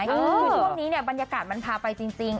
คือช่วงนี้เนี่ยบรรยากาศมันพาไปจริง